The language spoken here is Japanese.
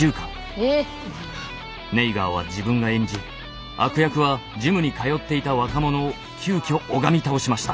えっ⁉ネイガーは自分が演じ悪役はジムに通っていた若者を急きょ拝み倒しました。